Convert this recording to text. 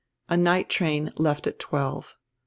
A night train left at twelve.